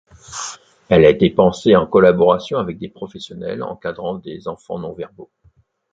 Elle a été pensée en collaboration avec des professionnels encadrant des enfants non-verbaux.